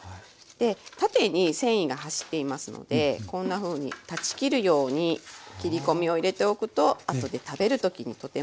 で縦に繊維がはしっていますのでこんなふうに断ち切るように切り込みを入れておくと後で食べる時にとても食べやすくなります。